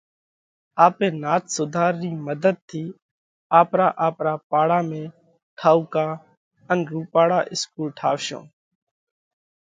آپي نات سُڌار رِي مڌت ٿِي آپرا آپرا پاڙا ۾ ٺائُوڪا ان رُوپاۯا اِسڪُول ٺاوَشون۔